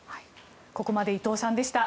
ここまで伊藤さんでした。